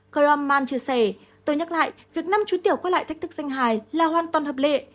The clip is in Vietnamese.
kraman chia sẻ tôi nhắc lại việc năm chú tiểu quay lại thách thức danh hài là hoàn toàn hợp lệ